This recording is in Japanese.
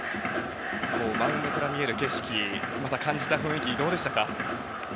マウンドから見える景色また、感じた雰囲気はどうでしたか？